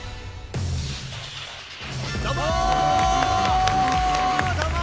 どうも！